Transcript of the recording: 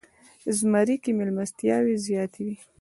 زمری کې میلمستیاوې زیاتې وي.